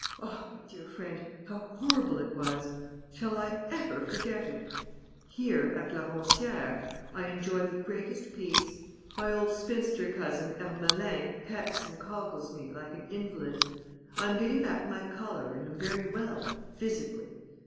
Oh, my dear friend, how horrible it was! Shall I ever forget it?... "Here, at la Roncière, I enjoy the greatest peace. My old spinster cousin Ermelin pets and coddles me like an invalid. I am getting back my colour and am very well, physically